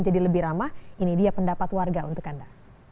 jadi ya pendapat warga untuk anda